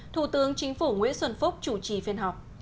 thủ tướng chính phủ nguyễn xuân phúc chủ trì phiên họp